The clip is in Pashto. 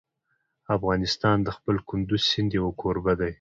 افغانستان د خپل کندز سیند یو کوربه دی.